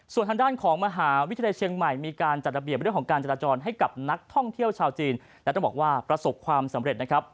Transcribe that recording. ส่วนทางด้านของมหาวิทยาลัยเชียงใหม่มีการจัดระเบียบเรื่องของการจราจรให้กับนักท่องเที่ยวชาวจีนและต้องบอกว่าประสบความสำเร็จนะครับ